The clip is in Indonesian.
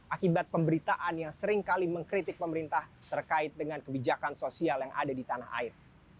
akibat pemberitaan yang seringkali mengkritik pemerintah terkait dengan kebijakan sosial yang ada di tanah air